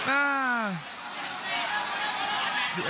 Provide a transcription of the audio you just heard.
อ่า